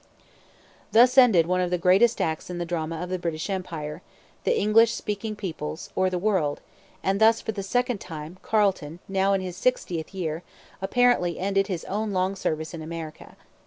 Thus ended one of the greatest acts in the drama of the British Empire, the English speaking peoples, or the world; and thus, for the second time, Carleton, now in his sixtieth year, apparently ended his own long service in America.